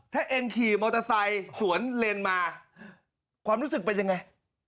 ถ้าเองขี่มอเตอร์ไซค์สวนเลนมาความรู้สึกเป็นยังไง